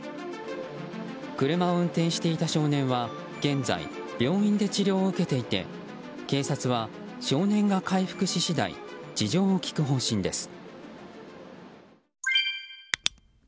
車を運転していた少年は現在、病院で治療を受けていて警察は少年が回復し次第事情を聴く方針です。